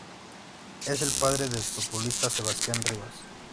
Es el padre del futbolista Sebastián Ribas.